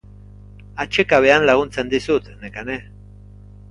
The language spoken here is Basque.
Atsekabean laguntzen dizut, Nekane.